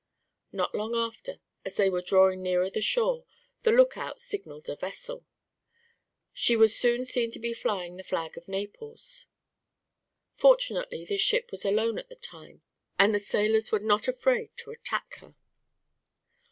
Not long after, as they were drawing nearer to the shore, the lookout signaled a vessel. She was soon seen to be flying the flag of Naples. Fortunately this ship was alone at the time, and the sailors were not afraid to attack her.